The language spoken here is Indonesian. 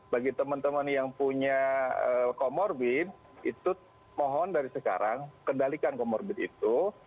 bagi teman teman yang punya comorbid itu mohon dari sekarang kendalikan komorbid itu